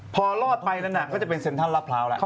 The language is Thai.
พอรอดไปนั่นนะเขาจะเป็นเซ็นทันหรับเผราล่ะ